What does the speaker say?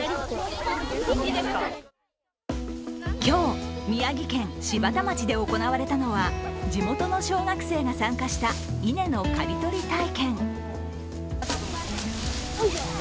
今日、宮城県柴田町で行われたのは地元の小学生が参加した稲の刈り取り体験。